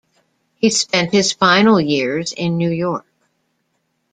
He spent his final years in New York.